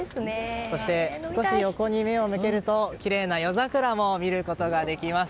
そして少し横に目を向けるときれいな夜桜も見ることができます。